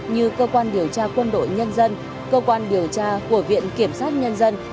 như cơ quan điều tra quân đội nhân dân cơ quan điều tra của viện kiểm sát nhân dân